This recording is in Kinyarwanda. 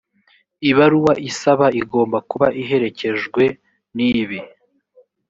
ibaruwa isaba igomba kuba iherekejwe n ibi